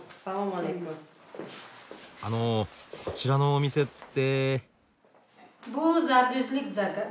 あのこちらのお店って。